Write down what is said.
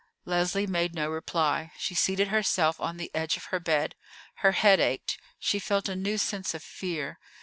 Leslie made no reply. She seated herself on the edge of her bed, her head ached, she felt a new sense of fear.